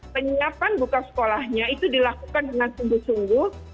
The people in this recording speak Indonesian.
penyiapan buka sekolahnya itu dilakukan dengan sungguh sungguh